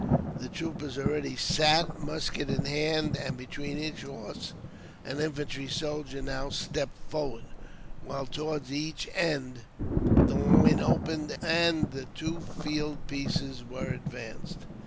The troopers already sat, musket in hand, and between each horse an infantry soldier now stepped forward; while towards each end, the line opened and the two field pieces were advanced.